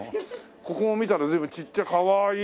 ここを見たら随分ちっちゃいかわいい。